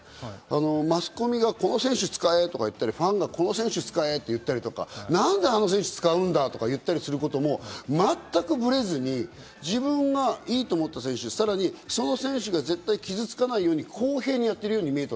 マスコミがこの選手、使えと言ったり、ファンがこの選手使えとか言ったり、何であの選手使うんだとか言ったりしたことも全くぶれずに自分がいいと思った選手、さらにその選手が絶対傷つかないように公平にやってるように見えた。